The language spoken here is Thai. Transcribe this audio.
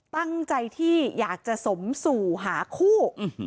ตั้งใจที่อยากจะสมสู่หาคู่